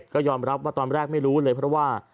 ก็ยอมรับว่าตอนแรกไม่รู้เลยเพราะว่า